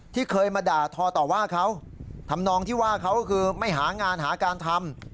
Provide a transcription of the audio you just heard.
ที่เคยมาด่าทอต่อว่าเขาทำนองที่ว่าเขาก็คือไม่หางานหาการทำ